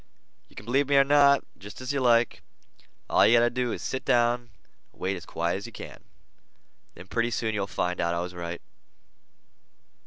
"You can believe me or not, jest as you like. All you got to do is sit down and wait as quiet as you can. Then pretty soon you'll find out I was right."